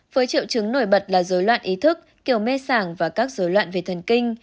với triệu chứng nổi bật là dối loạn ý thức kiểu mê sảng và các dối loạn về thần kinh